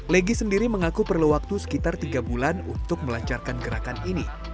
legi sendiri mengaku perlu waktu sekitar tiga bulan untuk melancarkan gerakan ini